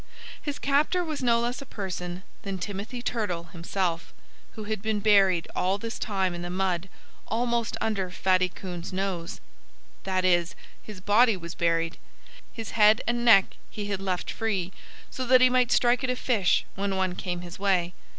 His captor was no less a person than Timothy Turtle himself, who had been buried all this time in the mud almost under Fatty Coon's nose. That is, his body was buried. His head and neck he had left free, so that he might strike at a fish when one came his way.